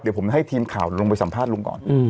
เดี๋ยวผมให้ทีมข่าวลงไปสัมภาษณลุงก่อน